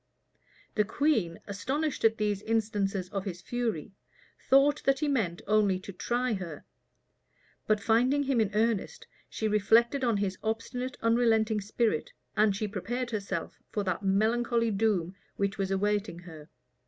The queen, astonished at these instances of his fury, thought that he meant only to try her; but finding him in earnest, she reflected on his obstinate, unrelenting spirit, and she prepared herself for that melancholy doom which was awaiting her.